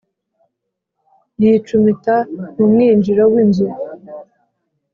yicumita mu mwinjiro w’inzu